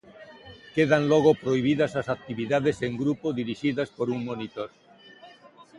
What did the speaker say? Quedan logo prohibidas as actividades en grupo dirixidas por un monitor.